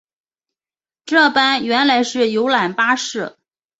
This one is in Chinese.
这班原来是游览巴士